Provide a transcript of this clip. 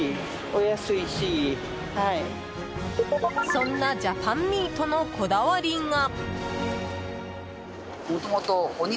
そんなジャパンミートのこだわりが。